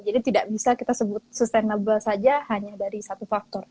jadi tidak bisa kita sebut sustainable saja hanya dari satu faktor